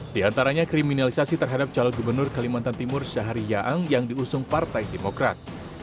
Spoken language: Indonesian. di antaranya kriminalisasi terhadap calon gubernur kalimantan timur syahari yaang yang diusung partai demokrat